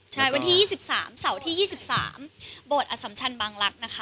ใช่วันที่๒๓เสาร์ที่๒๓โบสถอสัมชันบางลักษณ์นะคะ